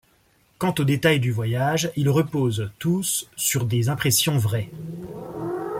Quant aux détails du voyage, ils reposent tous sur des impressions vraies.